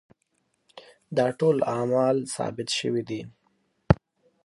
دا ټول اعمال ثابت شوي دي.